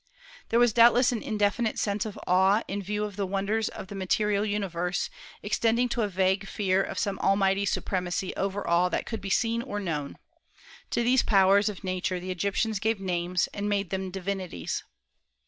There was doubtless an indefinite sense of awe in view of the wonders of the material universe, extending to a vague fear of some almighty supremacy over all that could be seen or known. To these powers of Nature the Egyptians gave names, and made them divinities.